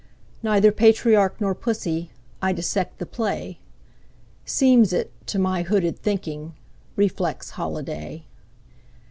Neither patriarch nor pussy,I dissect the play; Seems it, to my hooded thinking, Reflex holiday.